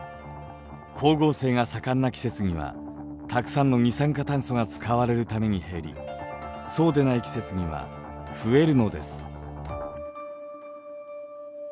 光合成が盛んな季節にはたくさんの二酸化炭素が使われるために減りそうでない季節には増えるのです。